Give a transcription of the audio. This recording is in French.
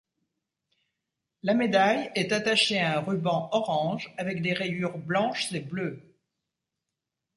La médaille est attachée à un ruban orange avec des rayures blanches et bleues.